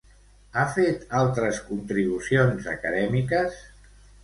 Ha fet altres contribucions acadèmiques?